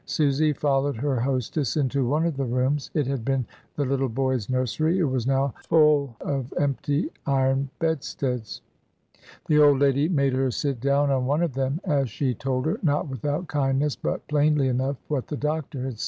Susy followed her hostess into one of the rooms; it had been the little boys' nursery; it was now fiili of empty iron bedsteads. The old lady made her sit down on one of them, as she told her, not without kindness, but plainly enough, what the doctor had said.